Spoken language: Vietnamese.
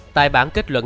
tài bản kết luận